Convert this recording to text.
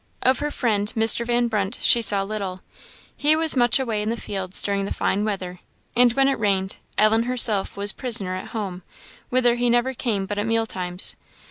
Of her only friend, Mr. Van Brunt, she saw little; he was much away in the fields during the fine weather; and when it rained, Ellen herself was prisoner at home, whither he never came but at meal times.